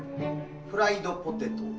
フライドポテト。